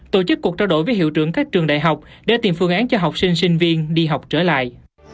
tổ chức cuộc trao đổi với hiệu trưởng các trường đại học để tìm phương án cho học sinh sinh viên đi học trở lại